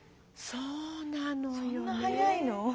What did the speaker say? そんな早いの？